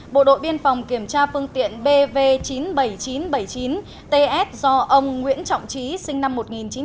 bộ đội biên phòng kiểm tra phương tiện bv chín mươi bảy nghìn chín trăm bảy mươi chín ts do ông nguyễn trọng trí sinh năm một nghìn chín trăm tám mươi